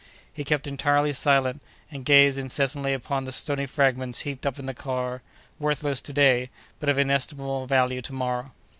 He kept entirely silent, and gazed incessantly upon the stony fragments heaped up in the car—worthless to day, but of inestimable value to morrow.